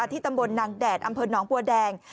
ที่ตำบลนางแดดอำเภอหนองบัวแดง